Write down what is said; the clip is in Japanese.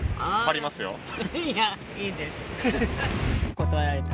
断られた。